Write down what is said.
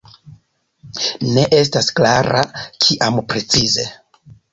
Ne estas klara kiam precize.